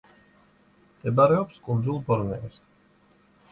მდებარეობს კუნძულ ბორნეოზე.